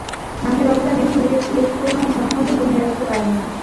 মাহে রমজানে ধনী ব্যক্তি বেশি পরিমাণে ধন-সম্পদ জমিয়ে রাখতে পারেন না।